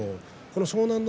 湘南乃